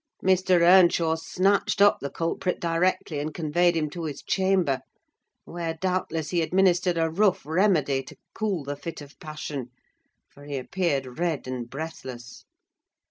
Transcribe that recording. Mr. Earnshaw snatched up the culprit directly and conveyed him to his chamber; where, doubtless, he administered a rough remedy to cool the fit of passion, for he appeared red and breathless.